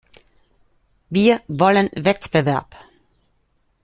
Wir wollen Wettbewerb.